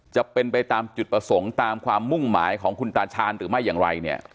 จะเป็นไปตามจุดประสงค์ตามความมุ่งหมายของคุณตาชาญหรือไม่อย่างไรเนี่ย